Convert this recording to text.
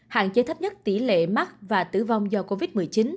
hạn chế thấp nhất tỷ lệ mắc và tử vong do covid một mươi chín